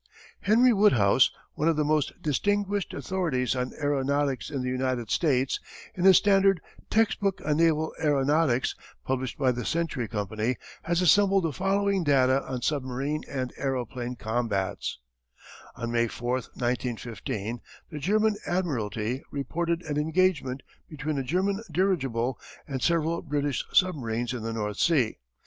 Henry Woodhouse, one of the most distinguished authorities on aeronautics in the United States, in his standard Textbook on Naval Aeronautics, published by the Century Company, has assembled the following data on submarine and aeroplane combats: "On May 4, 1915, the German Admiralty reported an engagement between a German dirigible and several British submarines in the North Sea.